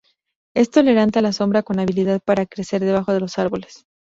Es tolerante a la sombra con habilidad para crecer debajo de los árboles.